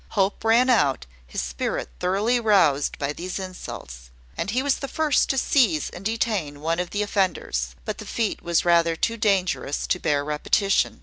Hope ran out, his spirit thoroughly roused by these insults; and he was the first to seize and detain one of the offenders; but the feat was rather too dangerous to bear repetition.